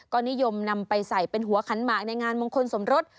ก็นิยมนำไปใส่เป็นหัวขันหมากในงานมงคลสมรส